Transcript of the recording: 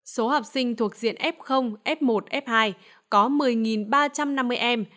số học sinh thuộc diện f f một f hai có một mươi ba trăm năm mươi em